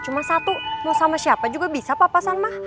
cuma satu mau sama siapa juga bisa papasan mah